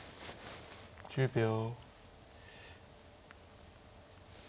１０秒。